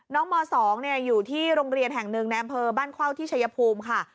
ม๒อยู่ที่โรงเรียนแห่งหนึ่งในอำเภอบ้านเข้าที่ชายภูมิค่ะ